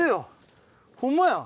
ホンマやん！